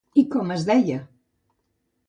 I com es deia?